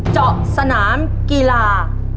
เจาะสนามกีฬา